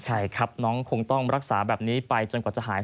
ใช่ครับน้องคงต้องรักษาแบบนี้ไปจนกว่าจะหาย